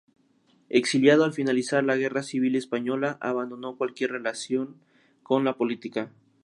Exiliado al finalizar la Guerra Civil Española, abandonó cualquier relación con la política.